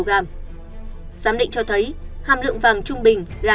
giám định cho thấy hàm lượng vàng trung bình là chín mươi chín chín mươi chín